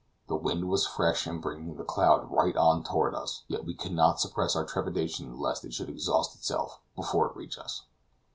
The wind was fresh and bringing the cloud right on toward us, yet we could not suppress our trepidation lest it should exhaust itself before it reached us.